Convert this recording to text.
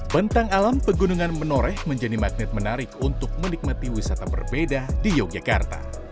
bentang alam pegunungan menoreh menjadi magnet menarik untuk menikmati wisata berbeda di yogyakarta